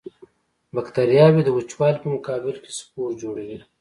بکټریاوې د وچوالي په مقابل کې سپور جوړوي.